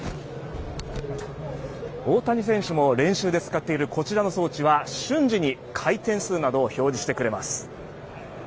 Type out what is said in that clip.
大谷選手も練習で使っているこちらの装置は瞬時に回転数などを表示してくれます。